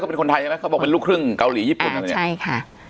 เป็นคนไทยใช่ไหมเขาบอกเป็นลูกครึ่งเกาหลีญี่ปุ่นนั่นแหละใช่ค่ะ